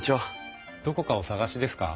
どこかお探しですか？